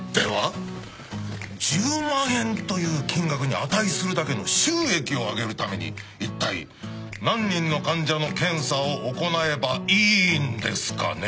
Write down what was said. １０万円という金額に値するだけの収益を上げるためにいったい何人の患者の検査を行えばいいんですかね？